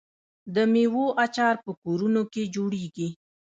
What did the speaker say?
د میوو اچار په کورونو کې جوړیږي.